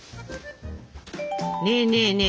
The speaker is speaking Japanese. ねえねえねえ